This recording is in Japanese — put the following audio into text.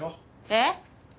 えっ？